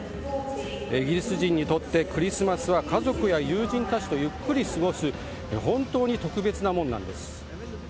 イギリス人にとってクリスマスは家族や友人たちとゆっくり過ごす本当に特別なものなんです。